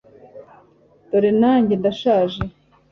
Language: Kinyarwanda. dore nanjye ndashaje